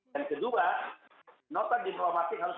dan kedua nota diplomasi harus